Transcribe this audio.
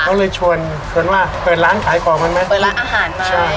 เขาเลยชวนชวนว่าเปิดร้านขายของมันไหมเปิดร้านอาหารมาใช่